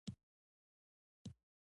دښتې د معیشت یوه لویه سرچینه ده.